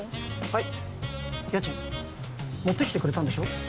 はい家賃持ってきてくれたんでしょ